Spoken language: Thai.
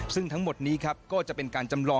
ซึ่งทั้งหมดนี้ครับก็จะเป็นการจำลอง